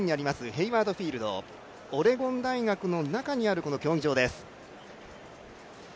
ヘイワード・フィールドオレゴン大学の中にあるこの競技場です。